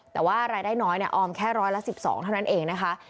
แต่ว่ารายได้น้อยออมแค่ร้อยละ๑๒เท่านั้นเองนะคะ